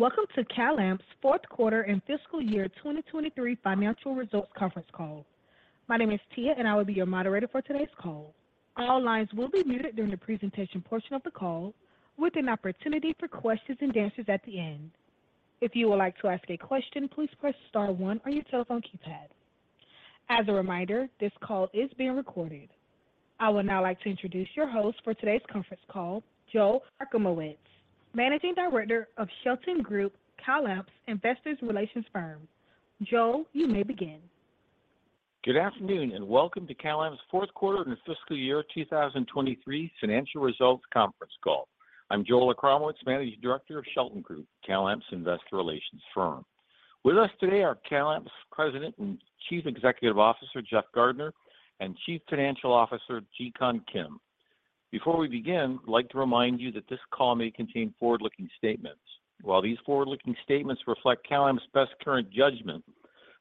Welcome to CalAmp's fourth quarter and fiscal year 2023 financial results conference call. My name is Tia, I will be your moderator for today's call. All lines will be muted during the presentation portion of the call, with an opportunity for questions and answers at the end. If you would like to ask a question, please press star one on your telephone keypad. As a reminder, this call is being recorded. I would now like to introduce your host for today's conference call, Joel Achramowicz, Managing Director of Shelton Group, CalAmp's Investor Relations firm. Joel, you may begin. Good afternoon, welcome to CalAmp's fourth quarter and fiscal year 2023 financial results conference call. I'm Joel Achramowicz, Managing Director of Shelton Group, CalAmp's Investor Relations firm. With us today are CalAmp's President and Chief Executive Officer, Jeff Gardner, and Chief Financial Officer, Jikun Kim. Before we begin, I'd like to remind you that this call may contain forward-looking statements. While these forward-looking statements reflect CalAmp's best current judgment,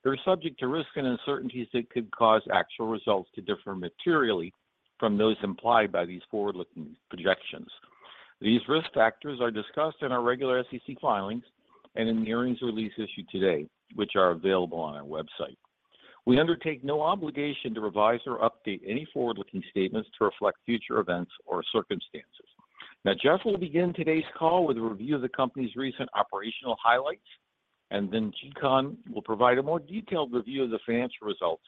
they're subject to risks and uncertainties that could cause actual results to differ materially from those implied by these forward-looking projections. These risk factors are discussed in our regular SEC filings and in the earnings release issued today, which are available on our website. We undertake no obligation to revise or update any forward-looking statements to reflect future events or circumstances. Jeff will begin today's call with a review of the company's recent operational highlights, and then Jikun will provide a more detailed review of the financial results,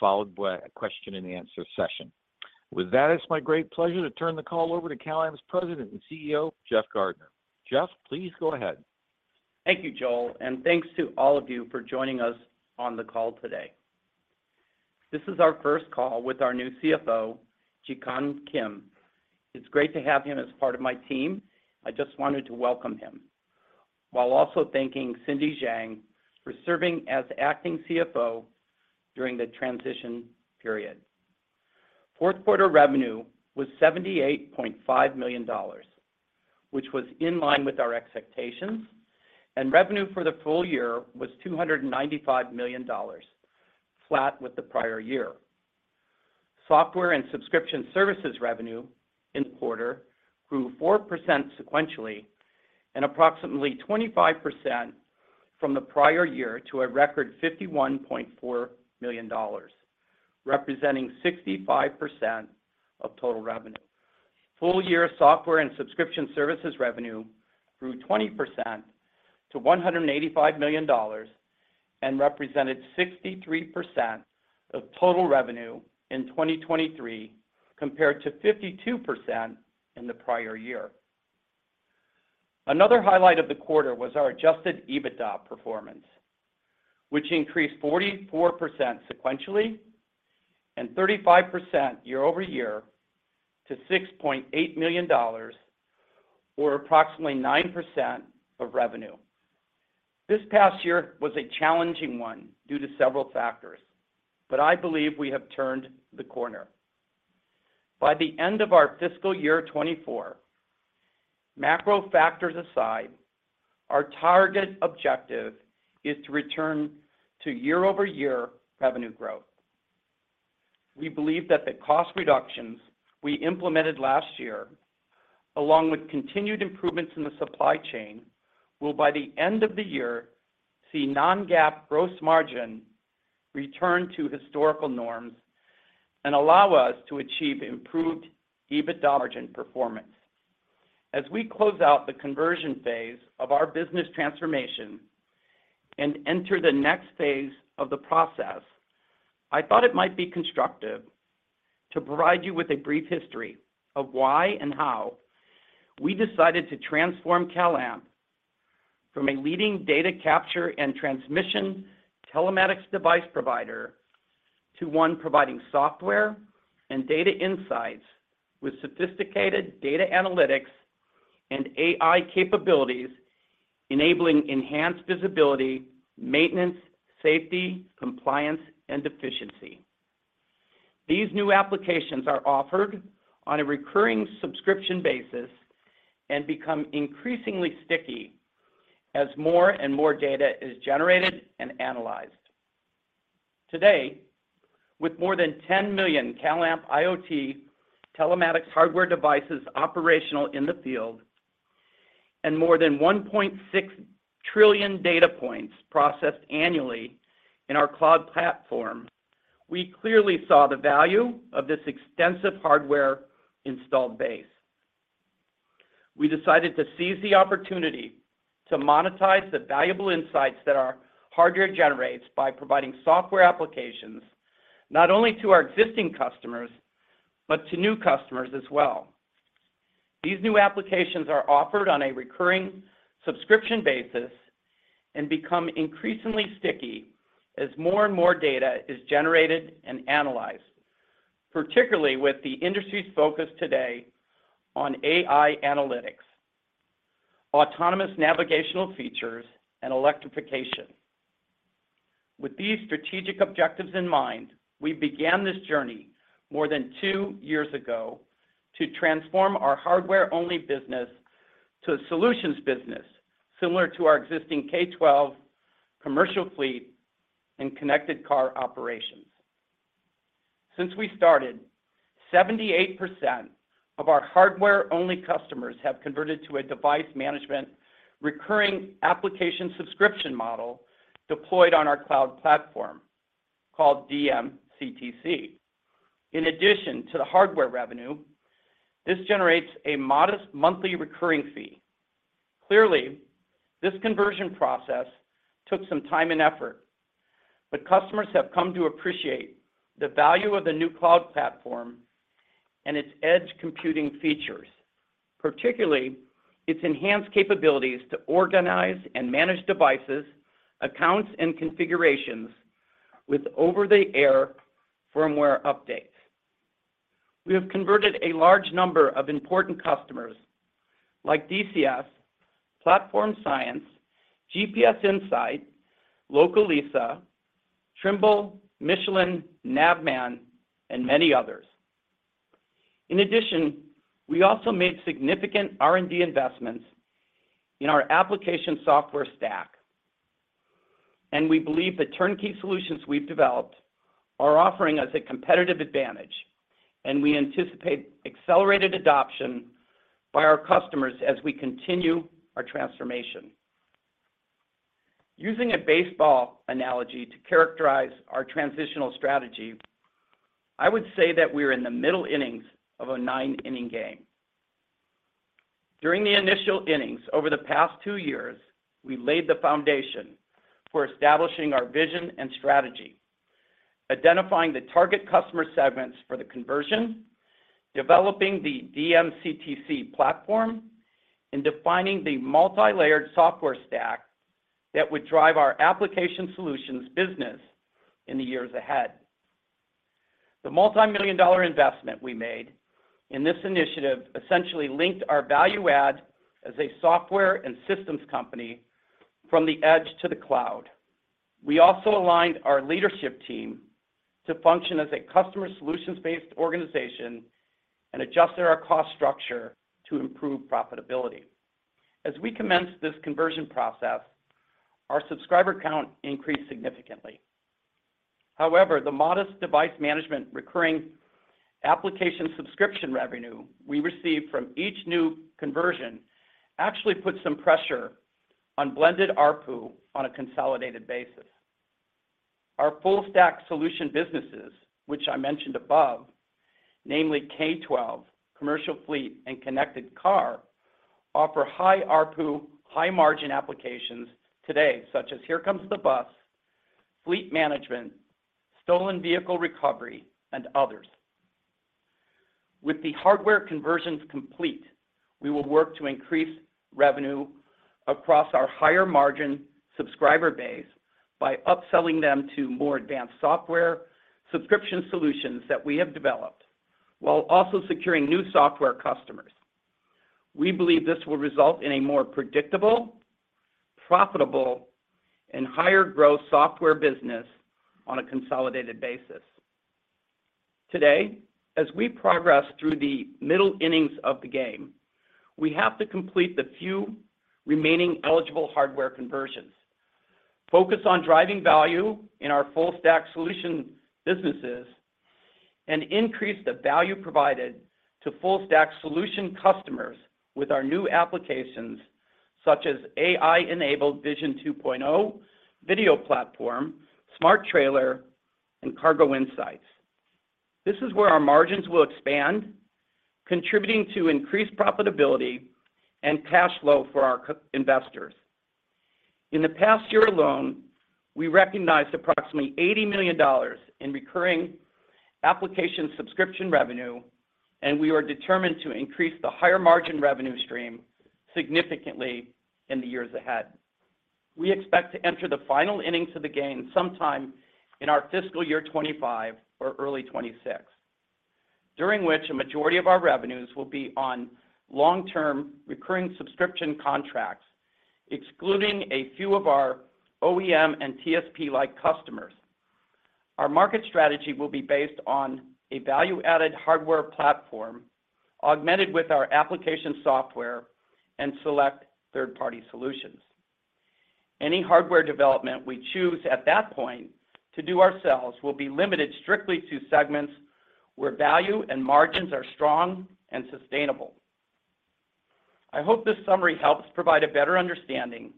followed by a question and answer session. With that, it's my great pleasure to turn the call over to CalAmp's President and CEO, Jeff Gardner. Jeff, please go ahead. Thank you, Joel, and thanks to all of you for joining us on the call today. This is our first call with our new CFO, Jikun Kim. It's great to have him as part of my team. I just wanted to welcome him, while also thanking Cindy Zhang for serving as acting CFO during the transition period. Fourth quarter revenue was $78.5 million, which was in line with our expectations, and revenue for the full year was $295 million, flat with the prior year. Software and subscription services revenue in the quarter grew 4% sequentially and approximately 25% from the prior year to a record $51.4 million, representing 65% of total revenue. Full-year software and subscription services revenue grew 20% to $185 million and represented 63% of total revenue in 2023, compared to 52% in the prior year. Another highlight of the quarter was our adjusted EBITDA performance, which increased 44% sequentially and 35% year-over-year to $6.8 million, or approximately 9% of revenue. This past year was a challenging one due to several factors, but I believe we have turned the corner. By the end of our fiscal year 2024, macro factors aside, our target objective is to return to year-over-year revenue growth. We believe that the cost reductions we implemented last year, along with continued improvements in the supply chain, will, by the end of the year, see Non-GAAP gross margin return to historical norms and allow us to achieve improved EBITDA margin performance. As we close out the conversion phase of our business transformation and enter the next phase of the process, I thought it might be constructive to provide you with a brief history of why and how we decided to transform CalAmp from a leading data capture and transmission telematics device provider to one providing software and data insights with sophisticated data analytics and AI capabilities enabling enhanced visibility, maintenance, safety, compliance, and efficiency. These new applications are offered on a recurring subscription basis and become increasingly sticky as more and more data is generated and analyzed. Today, with more than 10 million CalAmp IoT telematics hardware devices operational in the field and more than 1.6 trillion data points processed annually in our cloud platform, we clearly saw the value of this extensive hardware installed base. We decided to seize the opportunity to monetize the valuable insights that our hardware generates by providing software applications not only to our existing customers, but to new customers as well. These new applications are offered on a recurring subscription basis and become increasingly sticky as more and more data is generated and analyzed, particularly with the industry's focus today on AI analytics, autonomous navigational features, and electrification. With these strategic objectives in mind, we began this journey more than two years ago to transform our hardware-only business to a solutions business similar to our existing K-12 commercial fleet and connected car operations. Since we started, 78% of our hardware-only customers have converted to a device management recurring application subscription model deployed on our cloud platform called DMCTC. In addition to the hardware revenue, this generates a modest monthly recurring fee. Clearly, this conversion process took some time and effort, but customers have come to appreciate the value of the new cloud platform and its edge computing features, particularly its enhanced capabilities to organize and manage devices, accounts, and configurations with over-the-air firmware updates. We have converted a large number of important customers like DCS, Platform Science, GPS Insight, Localiza, Trimble, Michelin, Navman, and many others. In addition, we also made significant R&D investments in our application software stack, and we believe the turnkey solutions we've developed are offering us a competitive advantage, and we anticipate accelerated adoption by our customers as we continue our transformation. Using a baseball analogy to characterize our transitional strategy, I would say that we're in the middle innings of a nine-inning game. During the initial innings over the past two years, we laid the foundation for establishing our vision and strategy, identifying the target customer segments for the conversion, developing the DMCTC platform, and defining the multilayered software stack that would drive our application solutions business in the years ahead. The multimillion-dollar investment we made in this initiative essentially linked our value add as a software and systems company from the edge to the cloud. We also aligned our leadership team to function as a customer solutions-based organization and adjusted our cost structure to improve profitability. As we commenced this conversion process, our subscriber count increased significantly. However, the modest device management recurring application subscription revenue we received from each new conversion actually put some pressure on blended ARPU on a consolidated basis. Our full stack solution businesses, which I mentioned above, namely K-12, commercial fleet, and connected car, offer high ARPU, high-margin applications today, such as Here Comes The Bus, fleet management, stolen vehicle recovery, and others. With the hardware conversions complete, we will work to increase revenue across our higher-margin subscriber base by upselling them to more advanced software subscription solutions that we have developed while also securing new software customers. We believe this will result in a more predictable, profitable, and higher growth software business on a consolidated basis. Today, as we progress through the middle innings of the game, we have to complete the few remaining eligible hardware conversions, focus on driving value in our full stack solution businesses, and increase the value provided to full stack solution customers with our new applications such as AI-enabled Vision 2.0 video platform, Smart Trailer, and Cargo Insights. This is where our margins will expand, contributing to increased profitability and cash flow for our investors. In the past year alone, we recognized approximately $80 million in recurring application subscription revenue. We are determined to increase the higher-margin revenue stream significantly in the years ahead. We expect to enter the final innings of the game sometime in our fiscal year 25 or early 26, during which a majority of our revenues will be on long-term recurring subscription contracts, excluding a few of our OEM and TSP-like customers. Our market strategy will be based on a value-added hardware platform augmented with our application software and select third-party solutions. Any hardware development we choose at that point to do ourselves will be limited strictly to segments where value and margins are strong and sustainable. I hope this summary helps provide a better understanding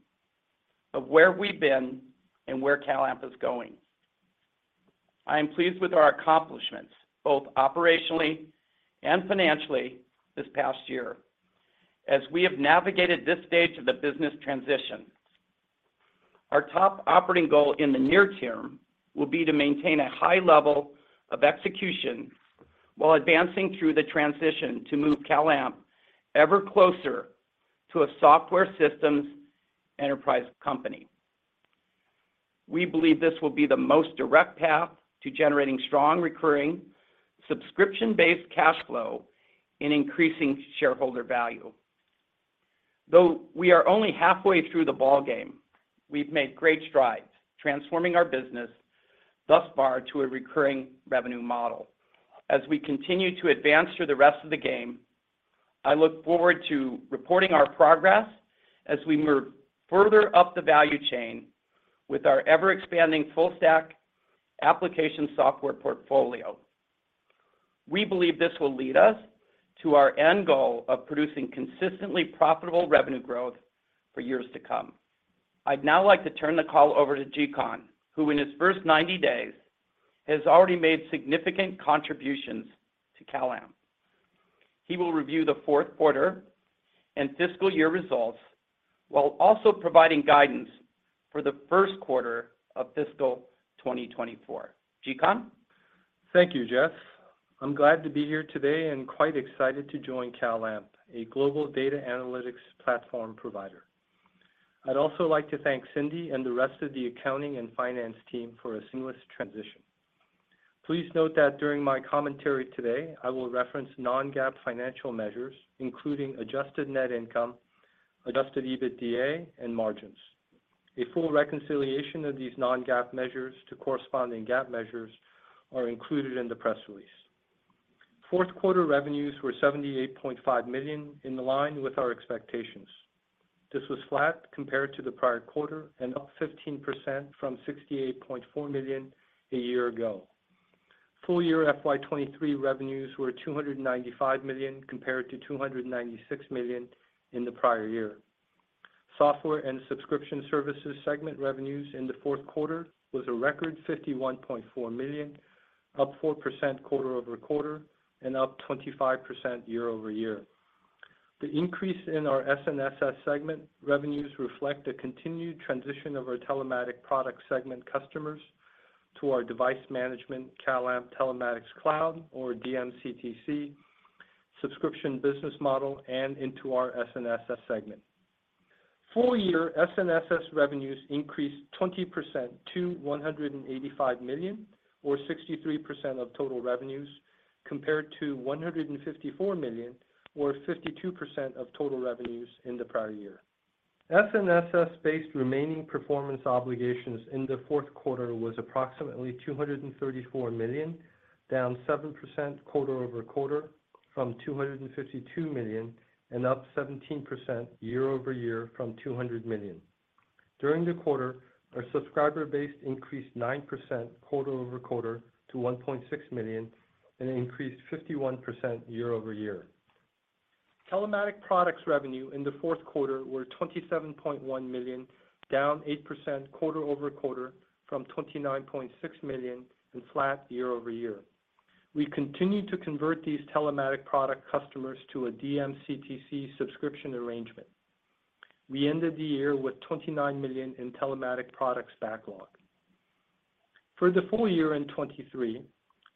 of where we've been and where CalAmp is going. I am pleased with our accomplishments, both operationally and financially this past year, as we have navigated this stage of the business transition. Our top operating goal in the near term will be to maintain a high level of execution while advancing through the transition to move CalAmp ever closer to a software systems enterprise company. We believe this will be the most direct path to generating strong recurring subscription-based cash flow and increasing shareholder value. Though we are only halfway through the ballgame, we've made great strides transforming our business thus far to a recurring revenue model. As we continue to advance through the rest of the game, I look forward to reporting our progress as we move further up the value chain with our ever-expanding full stack application software portfolio. We believe this will lead us to our end goal of producing consistently profitable revenue growth for years to come. I'd now like to turn the call over to Jikun, who in his first 90 days has already made significant contributions to CalAmp. He will review the fourth quarter and fiscal year results while also providing guidance for the first quarter of fiscal 2024. Jikun. Thank you, Jeff. I'm glad to be here today and quite excited to join CalAmp, a global data analytics platform provider. I'd also like to thank Cindy and the rest of the accounting and finance team for a seamless transition. Please note that during my commentary today, I will reference Non-GAAP financial measures, including adjusted net income, adjusted EBITDA, and margins. A full reconciliation of these Non-GAAP measures to corresponding GAAP measures are included in the press release. Fourth quarter revenues were $78.5 million in line with our expectations. This was flat compared to the prior quarter and up 15% from $68.4 million a year ago. Full year FY 2023 revenues were $295 million compared to $296 million in the prior year. Software and subscription services segment revenues in the fourth quarter was a record $51.4 million, up 4% quarter-over-quarter and up 25% year-over-year. The increase in our SNSS segment revenues reflect the continued transition of our telematics product segment customers to our device management, CalAmp Telematics Cloud, or DMCTC, subscription business model and into our SNSS segment. Full year SNSS revenues increased 20% to $185 million or 63% of total revenues, compared to $154 million or 52% of total revenues in the prior year. SNSS-based remaining performance obligations in the fourth quarter was approximately $234 million, down 7% quarter-over-quarter from $252 million and up 17% year-over-year from $200 million. During the quarter, our subscriber base increased 9% quarter-over-quarter to $1.6 million and increased 51% year-over-year. Telematics products revenue in the fourth quarter were $27.1 million, down 8% quarter-over-quarter from $29.6 million and flat year-over-year. We continue to convert these telematics product customers to a DMCTC subscription arrangement. We ended the year with $29 million in telematics products backlog. For the full year in 2023,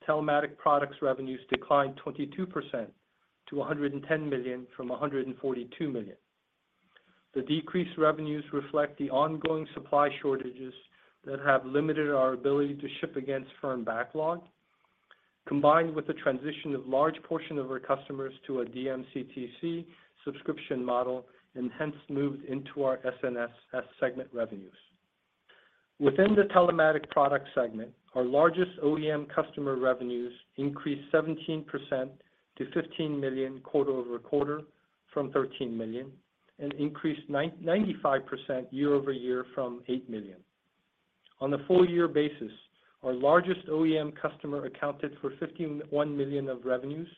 telematics products revenues declined 22% to $110 million from $142 million. The decreased revenues reflect the ongoing supply shortages that have limited our ability to ship against firm backlog, combined with the transition of large portion of our customers to a DMCTC subscription model and hence moved into our SNSS segment revenues. Within the telematics product segment, our largest OEM customer revenues increased 17% to $15 million quarter-over-quarter from $13 million and increased 95% year-over-year from $8 million. On a full year basis, our largest OEM customer accounted for $51 million of revenues,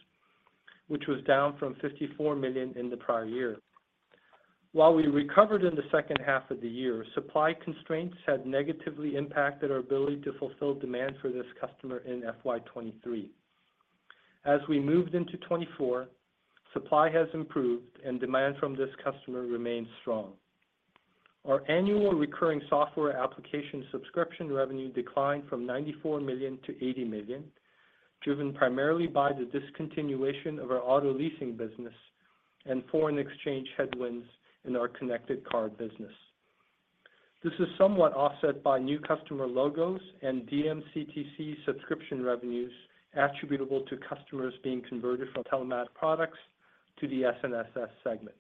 which was down from $54 million in the prior year. While we recovered in the second half of the year, supply constraints have negatively impacted our ability to fulfill demand for this customer in FY 2023. As we moved into 2024, supply has improved and demand from this customer remains strong. Our annual recurring software application subscription revenue declined from $94 million-$80 million, driven primarily by the discontinuation of our auto leasing business and foreign exchange headwinds in our connected car business. This is somewhat offset by new customer logos and DMCTC subscription revenues attributable to customers being converted from telematics products to the SNSS segment.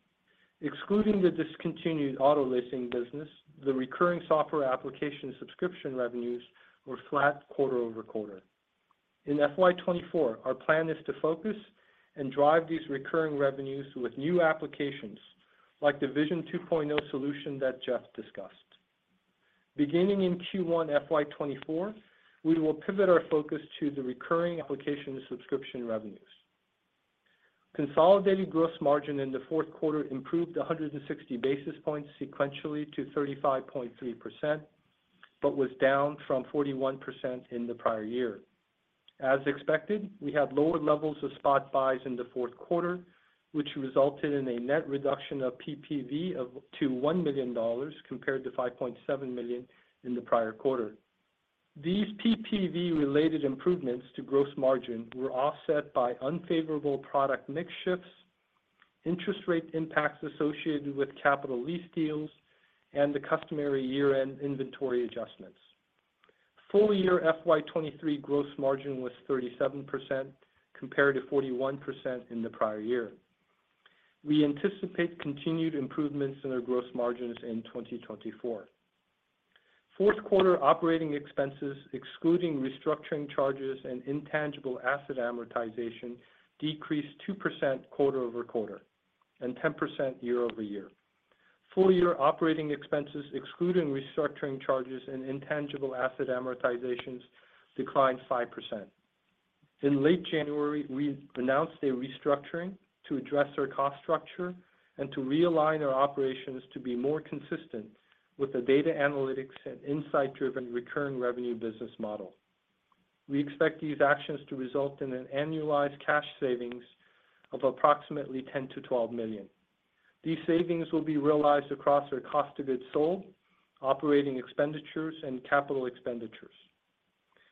Excluding the discontinued auto leasing business, the recurring software application subscription revenues were flat quarter-over-quarter. In FY 2024, our plan is to focus and drive these recurring revenues with new applications like the Vision 2.0 solution that Jeff discussed. Beginning in Q1 FY 2024, we will pivot our focus to the recurring application subscription revenues. Consolidated gross margin in the fourth quarter improved 160 basis points sequentially to 35.3%, but was down from 41% in the prior year. As expected, we have lower levels of spot buys in the fourth quarter, which resulted in a net reduction of PPV to $1 million compared to $5.7 million in the prior quarter. These PPV related improvements to gross margin were offset by unfavorable product mix shifts, interest rate impacts associated with capital lease deals, and the customary year-end inventory adjustments. Full year FY 2023 gross margin was 37% compared to 41% in the prior year. We anticipate continued improvements in our gross margins in 2024. Fourth quarter operating expenses, excluding restructuring charges and intangible asset amortization, decreased 2% quarter-over-quarter and 10% year-over-year. Full year operating expenses, excluding restructuring charges and intangible asset amortizations, declined 5%. In late January, we announced a restructuring to address our cost structure and to realign our operations to be more consistent with the data analytics and insight-driven recurring revenue business model. We expect these actions to result in an annualized cash savings of approximately $10 million-$12 million. These savings will be realized across our cost of goods sold, operating expenditures, and capital expenditures.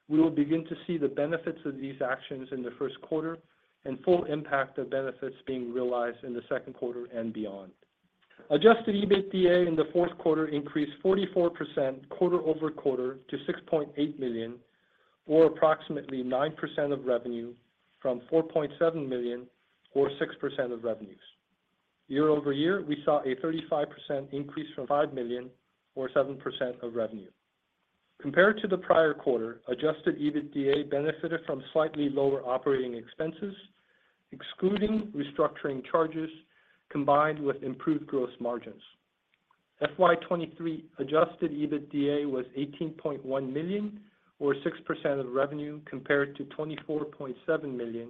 We will begin to see the benefits of these actions in the first quarter and full impact of benefits being realized in the second quarter and beyond. Adjusted EBITDA in the fourth quarter increased 44% quarter-over-quarter to $6.8 million, or approximately 9% of revenue from $4.7 million or 6% of revenues. Year-over-year, we saw a 35% increase from $5 million or 7% of revenue. Compared to the prior quarter, adjusted EBITDA benefited from slightly lower operating expenses, excluding restructuring charges combined with improved gross margins. FY 2023 adjusted EBITDA was $18.1 million or 6% of revenue compared to $24.7 million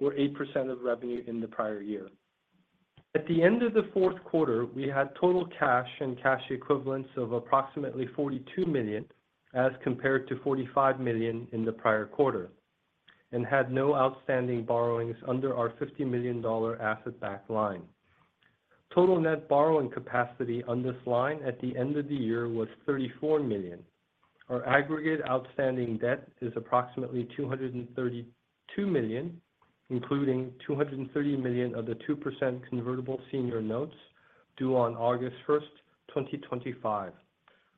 or 8% of revenue in the prior year. At the end of the fourth quarter, we had total cash and cash equivalents of approximately $42 million as compared to $45 million in the prior quarter and had no outstanding borrowings under our $50 million asset-backed line. Total net borrowing capacity on this line at the end of the year was $34 million. Our aggregate outstanding debt is approximately $232 million, including $230 million of the 2% convertible senior notes due on August 1st, 2025.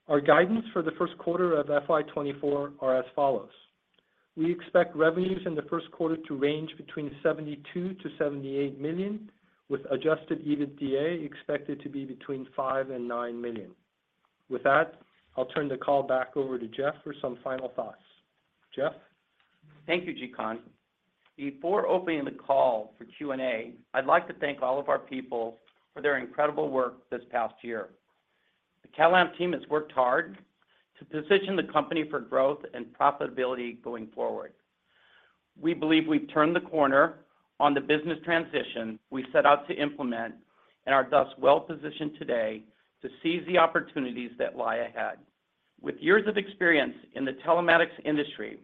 Our guidance for the first quarter of FY 2024 are as follows: We expect revenues in the first quarter to range between $72 million-$78 million, with adjusted EBITDA expected to be between $5 million-$9 million. With that, I'll turn the call back over to Jeff for some final thoughts. Jeff? Thank you, Jikun. Before opening the call for Q&A, I'd like to thank all of our people for their incredible work this past year. The CalAmp team has worked hard to position the company for growth and profitability going forward. We believe we've turned the corner on the business transition we set out to implement and are thus well-positioned today to seize the opportunities that lie ahead. With years of experience in the telematics industry,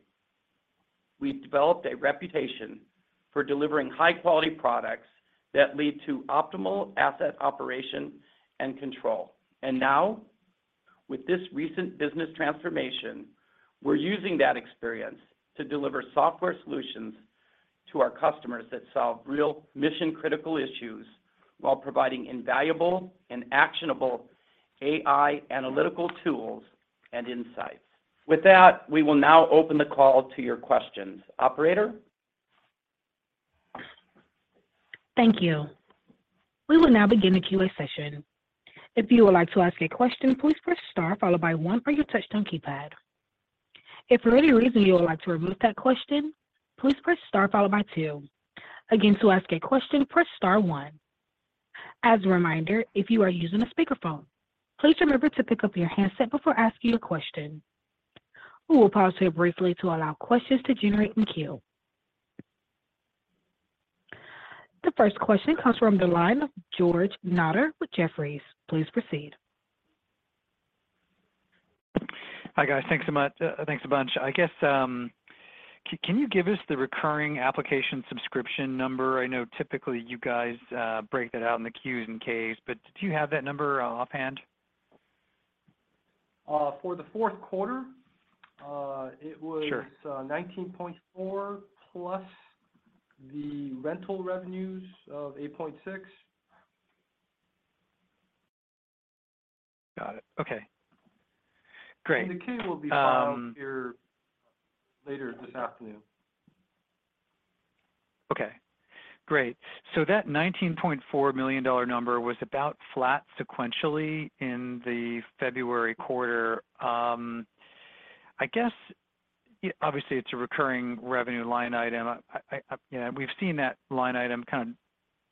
we've developed a reputation for delivering high-quality products that lead to optimal asset operation and control. Now, with this recent business transformation, we're using that experience to deliver software solutions to our customers that solve real mission-critical issues while providing invaluable and actionable AI analytical tools and insights. With that, we will now open the call to your questions. Operator? Thank you. We will now begin the QA session. If you would like to ask a question, please press star followed by 1 through your touch-tone keypad. If for any reason you would like to remove that question, please press star followed by two. Again, to ask a question, press star one. As a reminder, if you are using a speakerphone, please remember to pick up your handset before asking a question. We will pause here briefly to allow questions to generate in queue. The first question comes from the line of George Notter with Jefferies. Please proceed. Hi, guys. Thanks a bunch. I guess, can you give us the recurring application subscription number? I know typically you guys break that out in the Qs and Ks, but do you have that number offhand? for the fourth quarter Sure... it was, $19.4+ the rental revenues of $8.6. Got it. Okay. Great. The K will be filed here later this afternoon. Okay. Great. That $19.4 million number was about flat sequentially in the February quarter. I guess, obviously, it's a recurring revenue line item. I, yeah, we've seen that line item kind of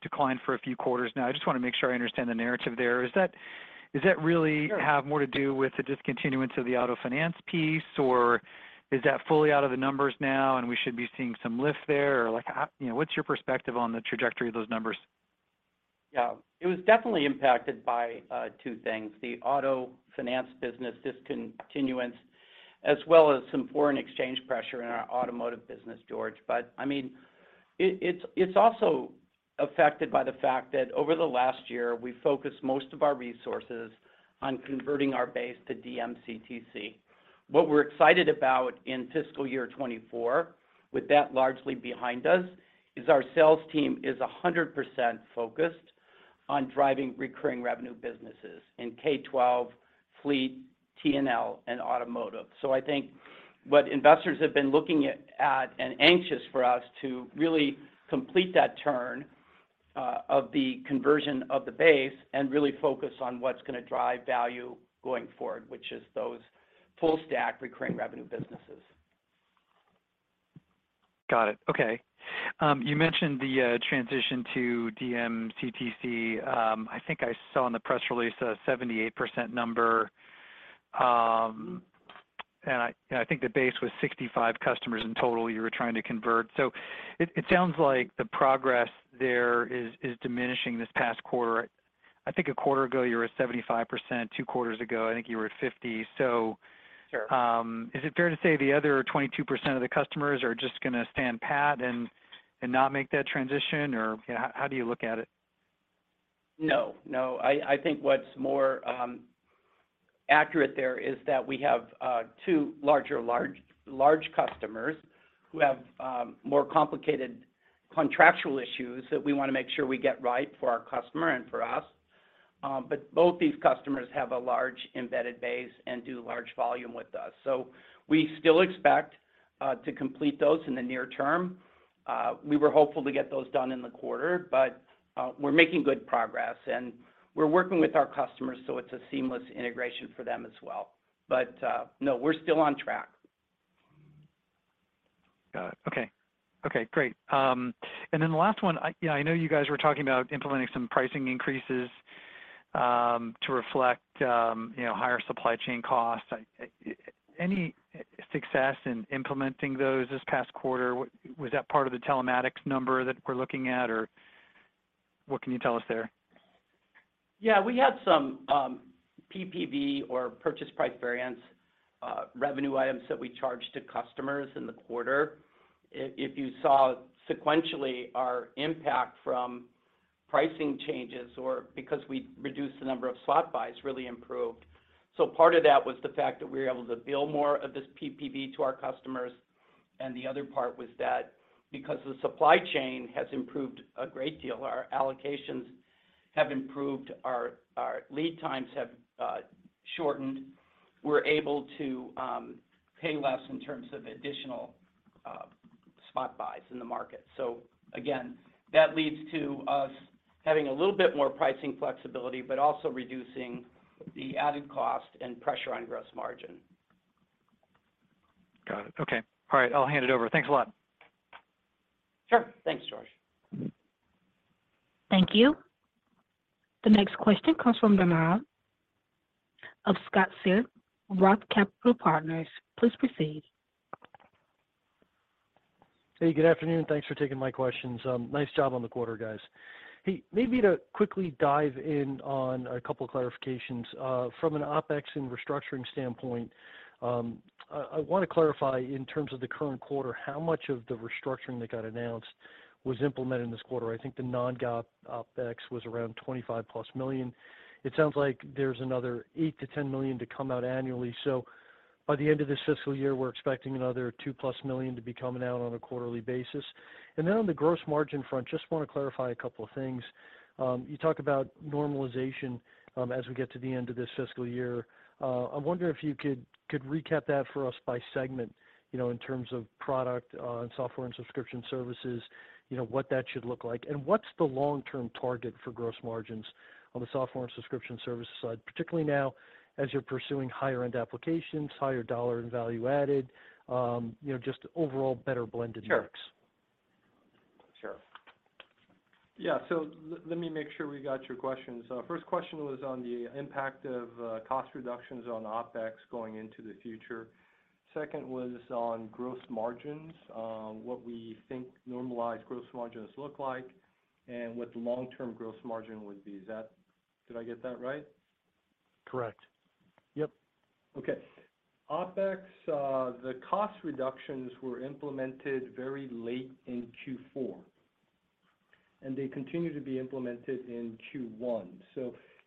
decline for a few quarters now. I just wanna make sure I understand the narrative there. Is that, does that really- Sure... have more to do with the discontinuance of the auto finance piece, or is that fully out of the numbers now and we should be seeing some lift there? Like, you know, what's your perspective on the trajectory of those numbers? Yeah. It was definitely impacted by two things, the auto finance business discontinuance, as well as some foreign exchange pressure in our automotive business, George. I mean, it's, it's also affected by the fact that over the last year, we focused most of our resources on converting our base to DMCTC. What we're excited about in fiscal year 2024, with that largely behind us, is our sales team is 100% focused on driving recurring revenue businesses in K-12, fleet, TNL, and automotive. I think what investors have been looking at and anxious for us to really complete that turn Of the conversion of the base and really focus on what's gonna drive value going forward, which is those full stack recurring revenue businesses. Got it. Okay. You mentioned the transition to DMCTC. I think I saw in the press release a 78% number. And I think the base was 65 customers in total you were trying to convert. It sounds like the progress there is diminishing this past quarter. I think a quarter ago you were at 75%. Two quarters ago, I think you were at 50. Sure... is it fair to say the other 22% of the customers are just gonna stand pat and not make that transition? Or how do you look at it? No, no. I think what's more accurate there is that we have two larger, large customers who have more complicated contractual issues that we wanna make sure we get right for our customer and for us. Both these customers have a large embedded base and do large volume with us. We still expect to complete those in the near term. We were hopeful to get those done in the quarter, we're making good progress, and we're working with our customers, it's a seamless integration for them as well. No, we're still on track. Got it. Okay. Okay, great. The last one, I know you guys were talking about implementing some pricing increases, to reflect, you know, higher supply chain costs. Any success in implementing those this past quarter? Was that part of the telematics number that we're looking at, or what can you tell us there? We had some PPV or purchase price variance revenue items that we charged to customers in the quarter. You saw sequentially our impact from pricing changes or because we reduced the number of spot buys really improved. Part of that was the fact that we were able to bill more of this PPV to our customers, and the other part was that because the supply chain has improved a great deal, our allocations have improved, our lead times have shortened. We're able to pay less in terms of additional spot buys in the market. Again, that leads to us having a little bit more pricing flexibility, but also reducing the added cost and pressure on gross margin. Got it. Okay. All right, I'll hand it over. Thanks a lot. Sure. Thanks, George. Thank you. The next question comes from Scott Searle of Roth Capital Partners. Please proceed. Good afternoon. Thanks for taking my questions. Nice job on the quarter, guys. Maybe to quickly dive in on a couple clarifications. From an OpEx and restructuring standpoint, I wanna clarify in terms of the current quarter, how much of the restructuring that got announced was implemented in this quarter? I think the Non-GAAP OpEx was around $25+ million. It sounds like there's another $8 million-$10 million to come out annually. By the end of this fiscal year, we're expecting another $2+ million to be coming out on a quarterly basis. On the gross margin front, just wanna clarify a couple of things. You talk about normalization as we get to the end of this fiscal year. I wonder if you could recap that for us by segment, you know, in terms of product, software and subscription services, you know, what that should look like. What's the long-term target for gross margins on the software and subscription services side, particularly now as you're pursuing higher-end applications, higher dollar and value added, you know, just overall better blended mix? Sure. Sure. Yeah. Let me make sure we got your questions. First question was on the impact of cost reductions on OpEx going into the future. Second was on gross margins, what we think normalized gross margins look like and what the long-term gross margin would be. Is that? Did I get that right? Correct. Yep. OpEx, the cost reductions were implemented very late in Q4, and they continue to be implemented in Q1.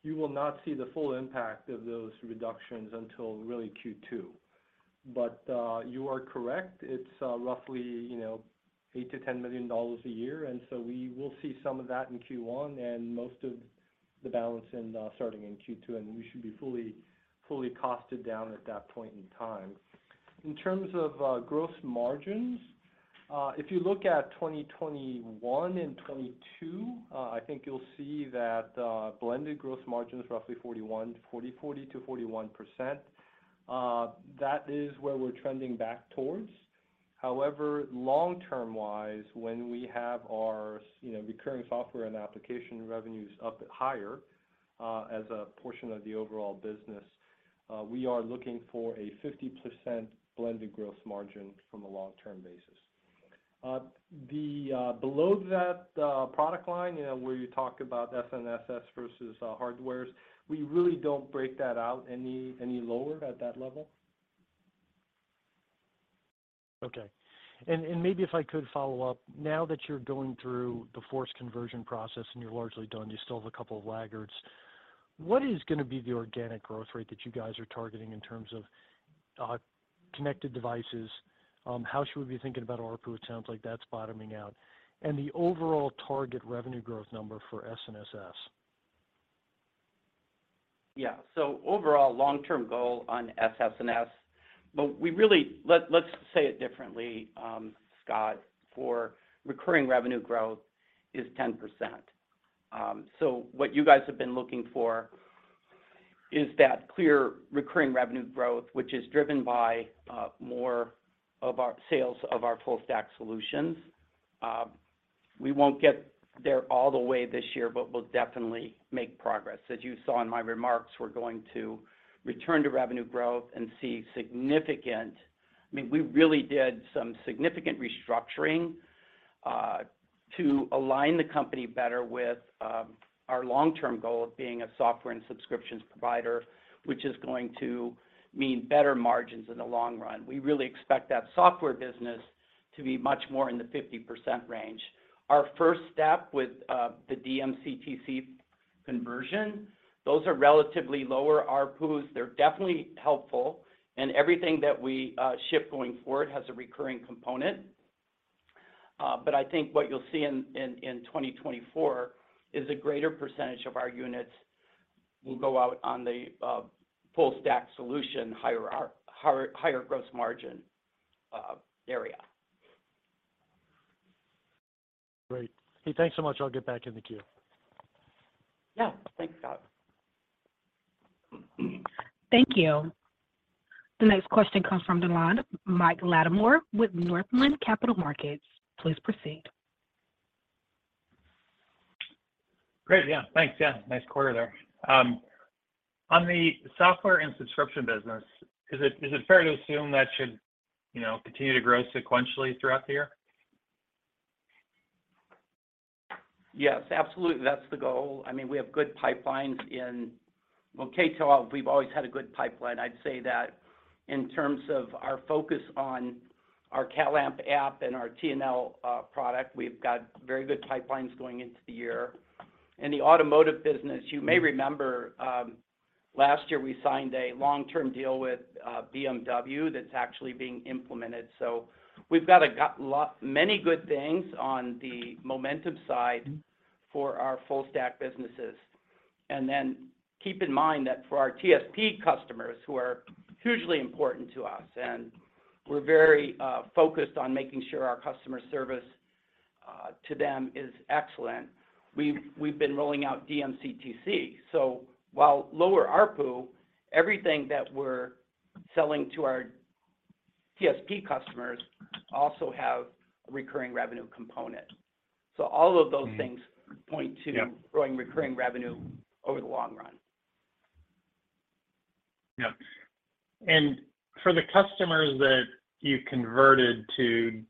You will not see the full impact of those reductions until really Q2. You are correct, it's, roughly, you know, $8 million-$10 million a year, we will see some of that in Q1 and most of the balance in, starting in Q2, and we should be fully costed down at that point in time. In terms of, gross margins, if you look at 2021 and 2022, I think you'll see that, blended gross margin is roughly 40%-41%. That is where we're trending back towards. However, long-term wise, when we have our you know, recurring software and application revenues up higher, as a portion of the overall business, we are looking for a 50% blended gross margin from a long-term basis. The below that product line, you know, where you talk about SNSS versus hardware, we really don't break that out any lower at that level. Maybe if I could follow up, now that you're going through the force conversion process and you're largely done, you still have a couple of laggards, what is gonna be the organic growth rate that you guys are targeting in terms of connected devices? How should we be thinking about ARPU? It sounds like that's bottoming out. The overall target revenue growth number for SNSS? Yeah. Overall long-term goal on SNSS, let's say it differently, Scott, for recurring revenue growth is 10%. What you guys have been looking for is that clear recurring revenue growth, which is driven by more of our sales of our full stack solutions. We won't get there all the way this year, we'll definitely make progress. As you saw in my remarks, we're going to return to revenue growth and see significant, I mean, we really did some significant restructuring to align the company better with our long-term goal of being a software and subscriptions provider, which is going to mean better margins in the long run. We really expect that software business to be much more in the 50% range. Our first step with the DMCTC conversion, those are relatively lower ARPU. They're definitely helpful, and everything that we ship going forward has a recurring component. I think what you'll see in 2024 is a greater percentage of our units will go out on the full stack solution, higher gross margin area. Great. Hey, thanks so much. I'll get back in the queue. Yeah. Thanks, Scott. Thank you. The next question comes from the line of Mike Latimore with Northland Capital Markets. Please proceed. Great. Yeah. Thanks. Yeah. Nice quarter there. On the software and subscription business, is it fair to assume that should, you know, continue to grow sequentially throughout the year? Yes, absolutely. That's the goal. I mean, we have good pipelines in well, K-12, we've always had a good pipeline. I'd say that in terms of our focus on our CalAmp app and our TNL product, we've got very good pipelines going into the year. In the automotive business, you may remember, last year we signed a long-term deal with BMW that's actually being implemented. We've got many good things on the momentum side for our full stack businesses. And then keep in mind that for our TSP customers, who are hugely important to us, and we're very focused on making sure our customer service to them is excellent, we've been rolling out DMCTC. While lower ARPU, everything that we're selling to our TSP customers also have a recurring revenue component. All of those things point to- Yeah... growing recurring revenue over the long run. Yeah. For the customers that you converted to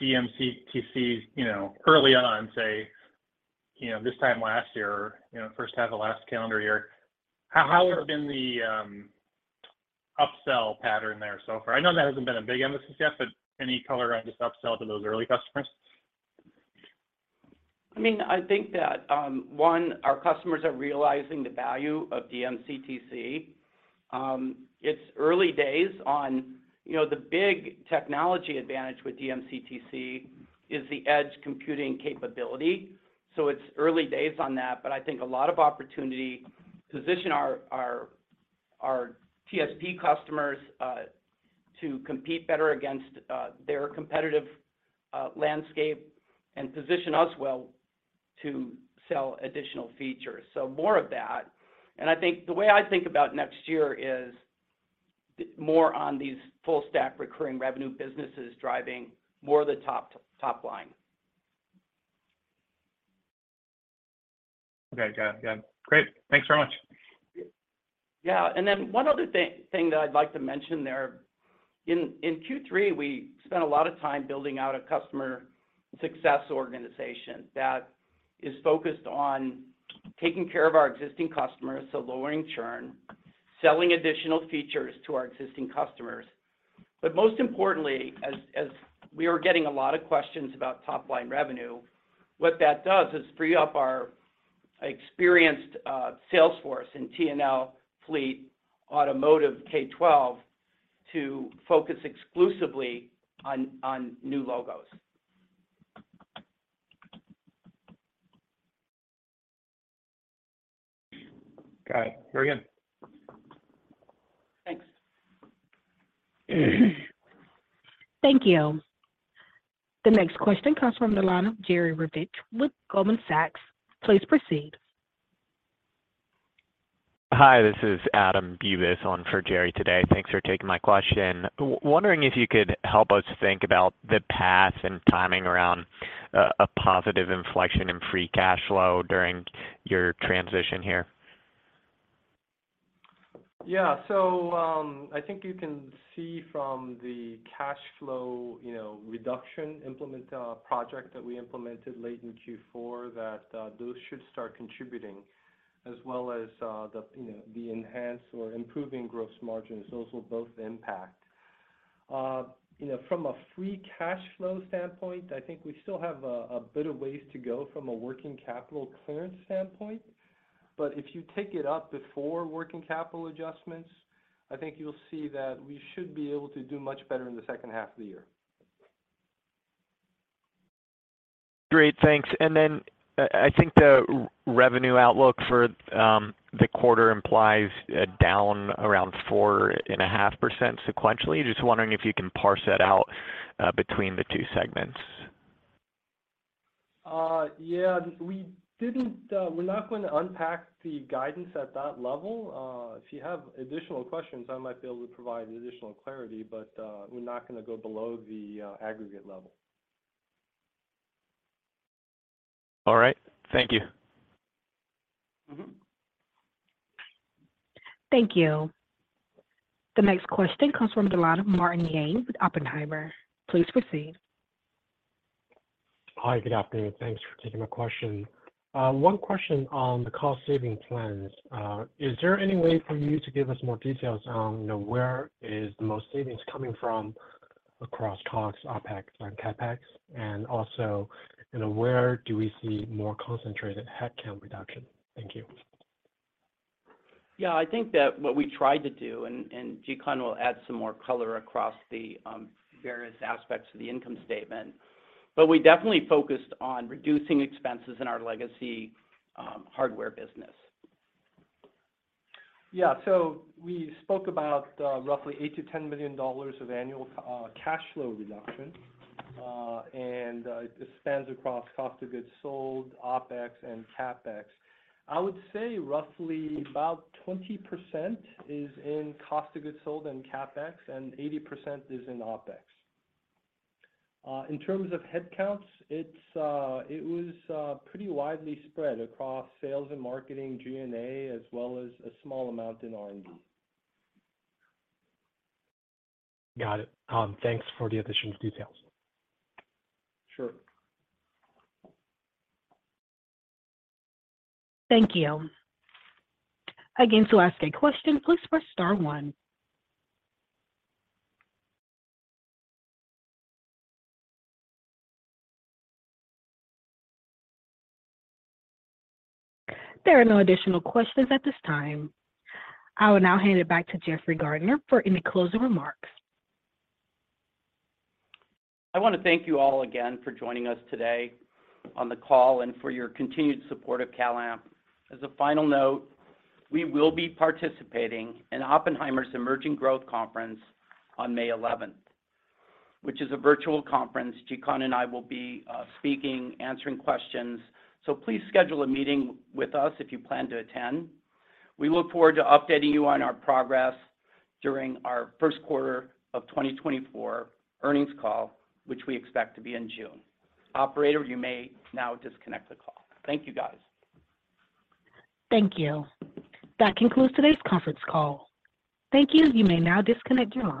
DMCTC, you know, early on, say, you know, this time last year or, you know, first half of last calendar year, how has been the upsell pattern there so far? I know that hasn't been a big emphasis yet, but any color on just upsell to those early customers? I mean, I think that, one, our customers are realizing the value of DMCTC. It's early days on... You know, the big technology advantage with DMCTC is the edge computing capability, so it's early days on that. I think a lot of opportunity position our TSP customers to compete better against their competitive landscape and position us well to sell additional features. More of that. I think the way I think about next year is more on these full stack recurring revenue businesses driving more of the top line. Okay. Got it. Yeah. Great. Thanks very much. One other thing that I'd like to mention there, in Q3, we spent a lot of time building out a customer success organization that is focused on taking care of our existing customers, so lowering churn, selling additional features to our existing customers. Most importantly, as we are getting a lot of questions about top-line revenue, what that does is free up our experienced sales force in TNL Fleet Automotive K-12 to focus exclusively on new logos. Got it. Very good. Thanks. Thank you. The next question comes from the line of Jerry Revich with Goldman Sachs. Please proceed. Hi, this is Adam Bubes on for Jerry today. Thanks for taking my question. Wondering if you could help us think about the path and timing around a positive inflection in free cash flow during your transition here. Yeah. I think you can see from the cash flow, you know, reduction implement, project that we implemented late in Q4 that those should start contributing as well as the, you know, the enhanced or improving gross margins. Those will both impact. You know, from a free cash flow standpoint, I think we still have a bit of ways to go from a working capital clearance standpoint. If you take it up before working capital adjustments, I think you'll see that we should be able to do much better in the second half of the year. Great. Thanks. I think the revenue outlook for the quarter implies a down around 4.5% sequentially. Just wondering if you can parse that out between the two segments. Yeah. We're not going to unpack the guidance at that level. If you have additional questions, I might be able to provide additional clarity, but we're not gonna go below the aggregate level. All right. Thank you. Mm-hmm. Thank you. The next question comes from the line of Martin Yang with Oppenheimer. Please proceed. Hi. Good afternoon. Thanks for taking my question. One question on the cost-saving plans. Is there any way for you to give us more details on, you know, where is the most savings coming from across COGS, OpEx, and CapEx? Also, you know, where do we see more concentrated headcount reduction? Thank you. Yeah. I think that what we tried to do, and Jikun will add some more color across the various aspects of the income statement, but we definitely focused on reducing expenses in our legacy hardware business. We spoke about roughly $8 million-$10 million of annual cash flow reduction, and it spans across cost of goods sold, OpEx, and CapEx. I would say roughly about 20% is in cost of goods sold and CapEx, and 80% is in OpEx. In terms of headcounts, it's it was pretty widely spread across sales and marketing, G&A, as well as a small amount in R&D. Got it. Thanks for the additional details. Sure. Thank you. Again, to ask a question, please press star one. There are no additional questions at this time. I will now hand it back to Jeff Gardner for any closing remarks. I wanna thank you all again for joining us today on the call and for your continued support of CalAmp. As a final note, we will be participating in Oppenheimer's Emerging Growth Conference on May eleventh, which is a virtual conference. Jikun and I will be speaking, answering questions. Please schedule a meeting with us if you plan to attend. We look forward to updating you on our progress during our first quarter of 2024 earnings call, which we expect to be in June. Operator, you may now disconnect the call. Thank you, guys. Thank you. That concludes today's conference call. Thank you. You may now disconnect your lines.